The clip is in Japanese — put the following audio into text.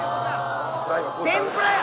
天ぷらや！